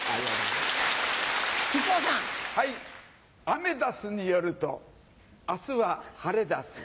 アメダスによると明日はハレダス。